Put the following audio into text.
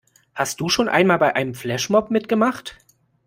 Hast du schon einmal bei einem Flashmob mitgemacht?